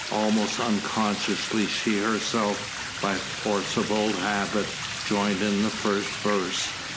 Almost unconsciously she herself, by force of old habit, joined in the first verse.